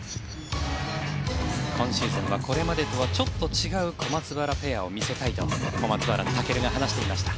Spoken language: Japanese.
今シーズンはこれまでとはちょっと違う小松原ペアを見せたいと小松原尊が話していました。